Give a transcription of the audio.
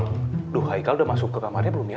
aduh haikal udah masuk ke kamarnya belum ya